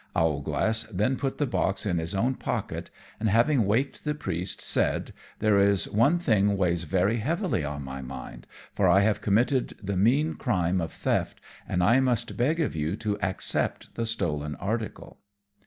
Owlglass then put the box in his own pocket, and having waked the Priest, said, "There is one thing weighs very heavily on my mind, for I have committed the mean crime of theft, and I must beg of you to accept the stolen article."